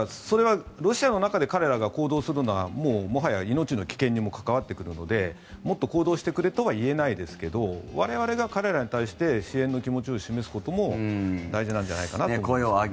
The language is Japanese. それはロシアの中で彼らが行動するのはもう、もはや命の危険にも関わってくるのでもっと行動してくれとは言えないですけど我々が彼らに対して支援の気持ちを示すことも大事なんじゃないかなと思います。